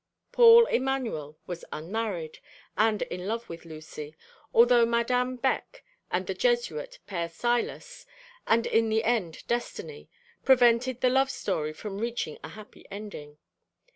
Paul Emanuel was unmarried, and in love with Lucy, although Madame Beck and the Jesuit, Père Silas, and in the end Destiny prevented the love story from reaching a happy ending.